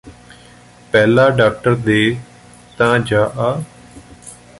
ਪਹਿਲਾ ਡਾਕਟਰ ਦੇ ਤਾਂ ਜਾ ਆ